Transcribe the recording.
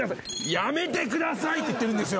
やめてくださいって言ってるんですよ。